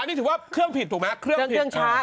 อันนี้ถือว่าเครื่องผิดถูกไหม